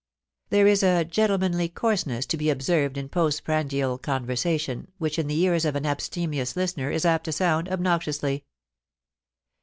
There is a gentlemanly coarseness to be observed in post prandial conversation, which in the ears of an abstemious listener is apt to sound obnoxiously.